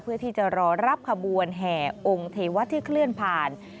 เพื่อที่จะรอรับขบวนแห่องค์เทวะที่เคลื่อนผ่าน